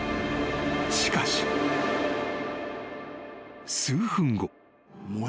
［しかし］［数分後］